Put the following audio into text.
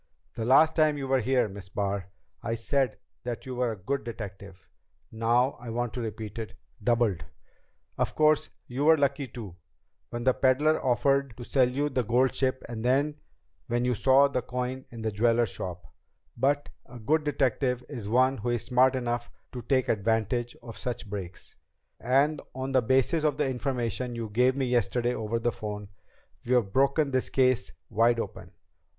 "The last time you were here, Miss Barr, I said that you were a good detective. Now I want to repeat it doubled. Of course you were lucky, too, when the peddler offered to sell you the gold ship and when you saw the coin in the jeweler's shop. But a good detective is one who is smart enough to take advantage of such breaks. And on the basis of the information you gave me yesterday over the phone, we've broken this case wide open.